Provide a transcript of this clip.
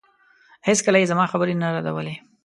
هېڅکله يې زما خبرې نه ردولې.